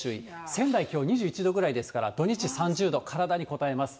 仙台、きょう２１度ぐらいですから、土日３０度、体にこたえます。